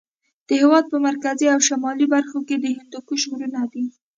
د هېواد په مرکزي او شمالي برخو کې د هندوکش غرونه دي.